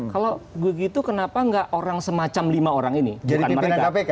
kalau begitu kenapa nggak orang semacam lima orang ini bukan mereka